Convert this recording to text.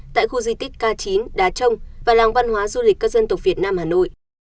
tại khu di tích k chín đá trông và làng văn hóa du lịch các dân tộc việt nam hà nội